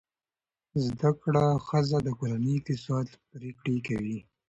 زده کړه ښځه د کورنۍ اقتصادي پریکړې کوي.